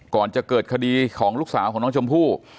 ก่อนจะเกิดคดีของลูกสาวของน้องชมพู่